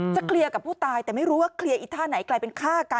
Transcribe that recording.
จะเคลียร์กับผู้ตายแต่ไม่รู้ว่าเคลียร์อีกท่าไหน